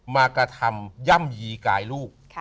มากระทำย่ำยีกายลูก